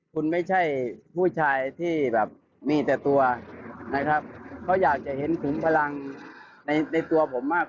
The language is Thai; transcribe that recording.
คุณไม่ใช่ผู้ชายที่แบบมีแต่ตัวนะครับเขาอยากจะเห็นถึงพลังในในตัวผมมาก